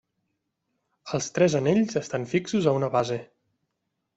Els tres anells estan fixos a una base.